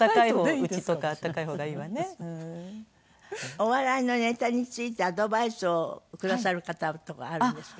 お笑いのネタについてアドバイスをくださる方とかあるんですか？